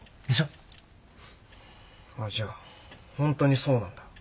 じゃあホントにそうなんだ。